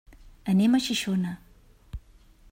Anem a Xixona.